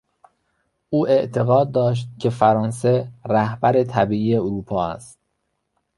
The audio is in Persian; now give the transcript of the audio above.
او اعتقاد داشت که فرانسه رهبر طبیعی اروپا است.